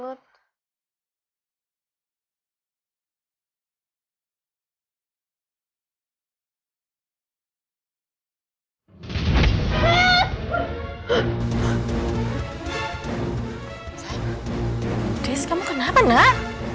sayang dis kamu kenapa nak